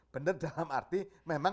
benar dalam arti memang